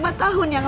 orang tua kandung